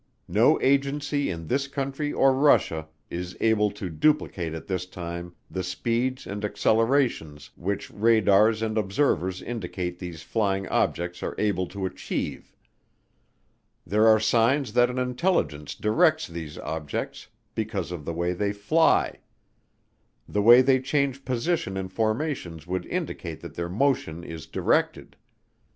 No agency in this country or Russia is able to duplicate at this time the speeds and accelerations which radars and observers indicate these flying objects are able to achieve. "There are signs that an intelligence directs these objects because of the way they fly. The way they change position in formations would indicate that their motion is directed.